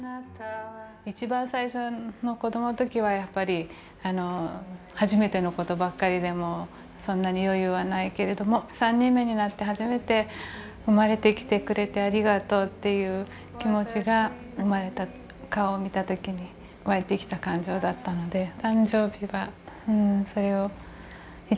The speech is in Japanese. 一番最初の子どもの時はやっぱり初めての事ばっかりでそんなに余裕はないけれども３人目になって初めて「生まれてきてくれてありがとう」という気持ちが生まれた顔を見た時に湧いてきた感情だったので。